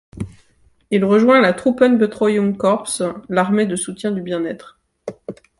Il rejoint la Truppenbetreuung Korps, l'Armée de soutien du bien-être.